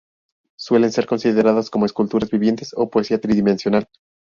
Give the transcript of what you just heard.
Suelen ser considerados como esculturas vivientes o poesía tridimensional.